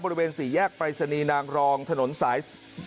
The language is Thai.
บริเวณ๔แยกปรายศนีย์นางรองถนนสาย